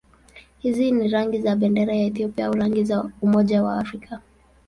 Hizi ni rangi za bendera ya Ethiopia au rangi za Umoja wa Afrika.